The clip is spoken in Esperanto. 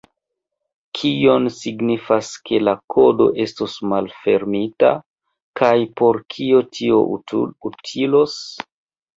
Kion signifas ke la kodo estos malfermita, kaj por kio tio utilos?